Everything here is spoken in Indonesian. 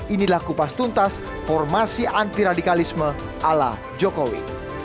inilah kupas tuntas formasi anti radikalisme ala jokowi